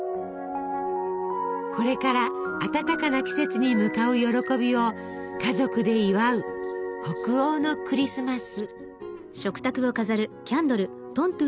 これから暖かな季節に向かう喜びを家族で祝う北欧のクリスマス。